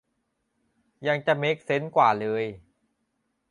ยังจะเม็กเซนส์กว่าเลย